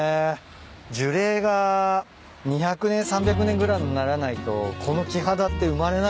樹齢が２００年３００年ぐらいならないとこの木肌って生まれないよね